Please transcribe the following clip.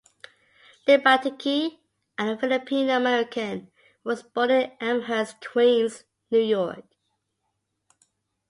Libatique, a Filipino-American, was born in Elmhurst, Queens, New York.